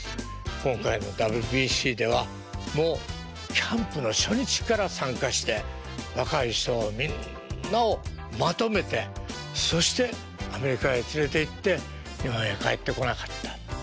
今回のＷＢＣではもうキャンプの初日から参加して若い人みんなをまとめてそしてアメリカへ連れていって日本へ帰ってこなかった。